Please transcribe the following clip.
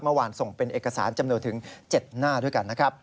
เมื่อวานส่งเป็นเอกสารจำนวนถึง๗หน้าด้วยกันนะครับ